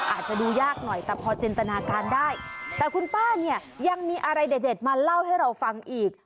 อาจจะดูยากหน่อยแต่พอจินตนาการได้แต่คุณป้าเนี่ยยังมีอะไรเด็ดมาเล่าให้เราฟังอีก